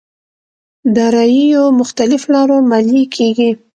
داراییو مختلف لارو ماليې کېږي.